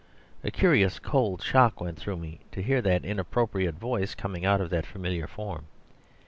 A curious cold shock went through me to hear that inappropriate voice coming out of that familiar form.